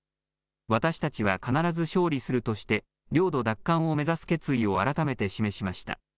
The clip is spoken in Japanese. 私たちは必ず勝利するとして領土奪還を目指す決意を改めて示しました。